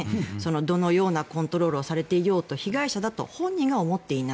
どのようなコントロールをされていようと被害者だと本人が思っていない。